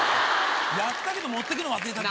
やったけど持ってくの忘れたり。